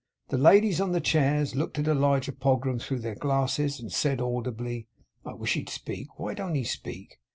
The ladies on the chairs looked at Elijah Pogram through their glasses, and said audibly, 'I wish he'd speak. Why don't he speak?